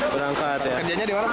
berangkat ya kerjanya di mana bu